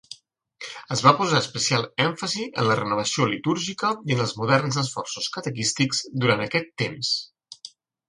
Es va posar especial èmfasi en la renovació litúrgica i en els moderns esforços catequístics durant aquest temps.